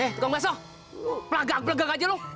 eh tegong basso pelagak pelagak aja lo